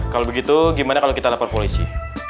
kalau begitu gimana kalau kita lapor polisi